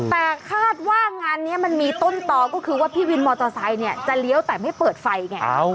แต่คาดว่างานนี้มันมีต้นต่อก็คือว่าพี่วินมอเตอร์ไซค์เนี่ยจะเลี้ยวแต่ไม่เปิดไฟไง